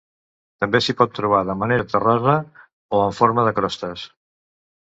També s'hi pot trobar de manera terrosa o en forma de crostes.